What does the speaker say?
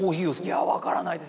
いや分からないです。